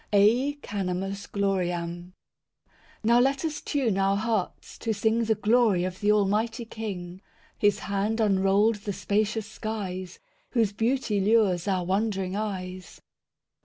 (See p. 3.) I Now let us tune our hearts to sing The glory of the Almighty King; His hand unrolled the spacious skies, Whose beauty lures our wondering eyes.